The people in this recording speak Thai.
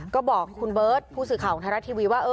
ก็บอกคุณเบิร์ตผู้สื่อข่าวของไทยรัฐทีวีว่า